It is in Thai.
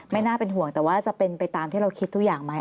น่าเป็นห่วงแต่ว่าจะเป็นไปตามที่เราคิดทุกอย่างไหม